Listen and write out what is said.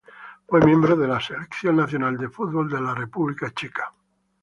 Fue miembro de la selección nacional de fútbol de la República Checa.